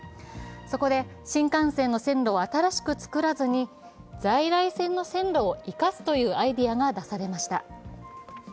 そこで新幹線の線路を新しく作らずに在来線の線路を生かすというアイデアが出されました。